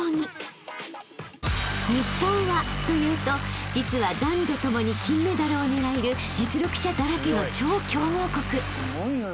［日本はというと実は男女共に金メダルを狙える実力者だらけの超強豪国］